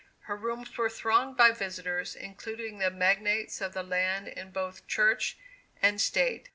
Her rooms were thronged by visitors, including the magnates of the land in both Church and State.